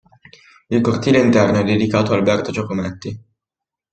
Il cortile interno è dedicato a Alberto Giacometti.